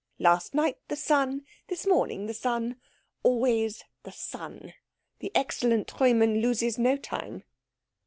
Last night the son, this morning the son always the son. The excellent Treumann loses no time."